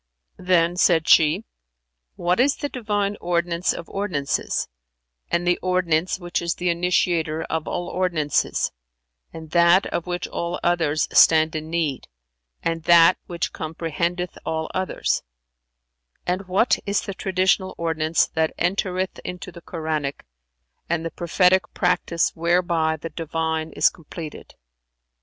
'" Then said she, "What is the Divine ordinance of ordinances and the ordinance which is the initiator of all ordinances and that of which all others stand in need and that which comprehendeth all others; and what is the traditional ordinance that entereth into the Koranic, and the prophetic practice whereby the Divine is completed?"